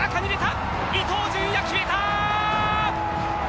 伊東純也決めた！